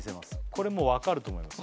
これもう分かると思います